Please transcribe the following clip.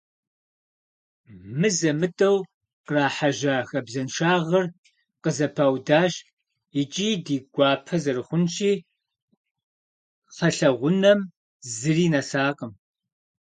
Мызэ-мытӀэу кърахьэжьа хабзэншагъэр къызэпаудащ, икӀи, ди гуапэ зэрыхъунщи, кхъэлъэгъунэм зыри нэсакъым.